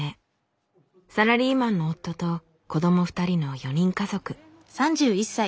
サラリーマンの夫と子ども２人の４人家族。